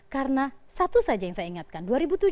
karena satu saja yang saya ingatkan